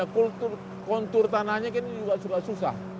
kultur kontur tanahnya kan juga susah